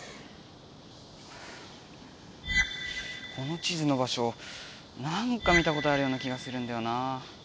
この地図の場しょなんか見たことあるような気がするんだよな。